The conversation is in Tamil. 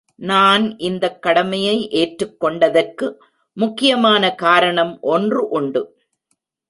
நான் இந்தக் கடமையை ஏற்றுக் கொண்டதற்கு முக்கியமான காரணம் ஒன்று உண்டு.